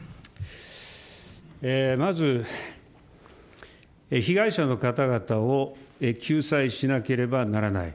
まず、被害者の方々を救済しなければならない。